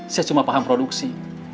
saya cuma paham produksi